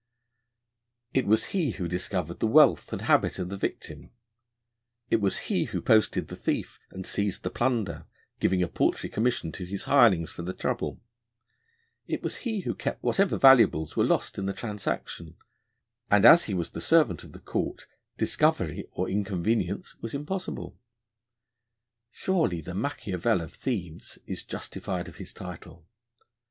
It was he who discovered the wealth and habit of the victim; it was he who posted the thief and seized the plunder, giving a paltry commission to his hirelings for the trouble; it was he who kept whatever valuables were lost in the transaction; and as he was the servant of the Court, discovery or inconvenience was impossible. Surely the Machiavel of Thieves is justified of his title.